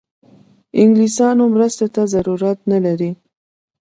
د انګلیسیانو مرستې ته ضرورت نه لري.